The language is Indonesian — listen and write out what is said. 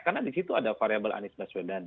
karena di situ ada variable anies baswedan